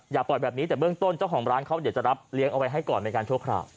ปล่อยแบบนี้แต่เบื้องต้นเจ้าของร้านเขาเดี๋ยวจะรับเลี้ยงเอาไว้ให้ก่อนเป็นการชั่วคราว